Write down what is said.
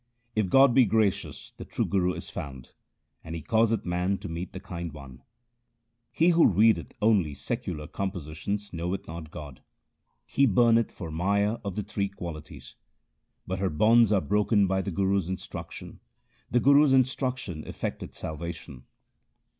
If God be gracious the true Guru is found, and he causeth man to meet the Kind One. He who readeth only secular compositions knoweth not God : He burneth for Maya of the three qualities ; But her bonds are broken by the Guru's instruction ; the Guru's instruction effecteth salvation.